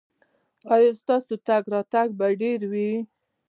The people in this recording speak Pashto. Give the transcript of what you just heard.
ایا ستاسو تګ راتګ به ډیر وي؟